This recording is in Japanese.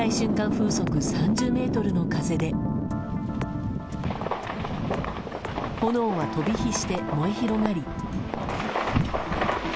風速３０メートルの風で炎は飛び火して燃え広がり。